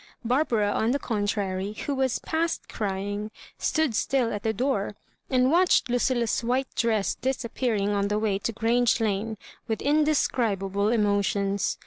Barbara, on the contrary, who was past crying, stood still at the door, and watched Lu cilla's white dress disappearing on the way to Grange Lane with mdescribable emotions.